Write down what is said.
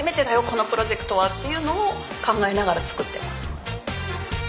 このプロジェクトはっていうのを考えながら作ってます。